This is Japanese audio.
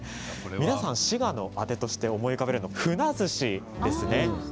皆さん滋賀のあてとして思い浮かべるの、ふなずしですね。